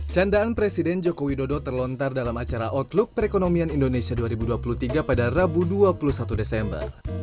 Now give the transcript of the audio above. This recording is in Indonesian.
candaan presiden joko widodo terlontar dalam acara outlook perekonomian indonesia dua ribu dua puluh tiga pada rabu dua puluh satu desember